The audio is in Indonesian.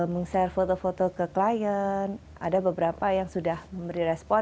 meng share foto foto ke klien ada beberapa yang sudah memberi respon